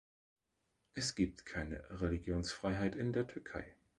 Es gibt keine Religionsfreiheit in der Türkei.